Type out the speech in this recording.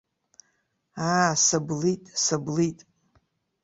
Аа, сыблит, сыблит!